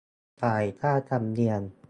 จ่ายค่าธรรมเนียม